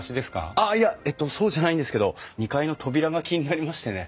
あっいやえっとそうじゃないんですけど２階の扉が気になりましてね。